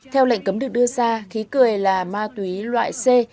theo lệnh cấm được đưa ra khí cười là ma túy loại c